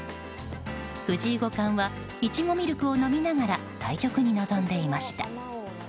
藤井五冠はいちごみるくを飲みながら対局に臨んでいました。